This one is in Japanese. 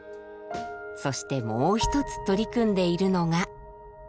そしてもう一つ取り組んでいるのが。